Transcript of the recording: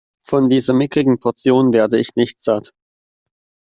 Von dieser mickrigen Portion werde ich nicht satt.